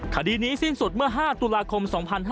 คดีนี้สิ้นสุดเมื่อ๕ตุลาคม๒๕๕๙